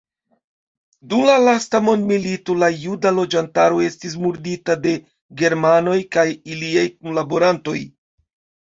Dum la lasta mondmilito la juda loĝantaro estis murdita de germanoj kaj iliaj kunlaborantoj.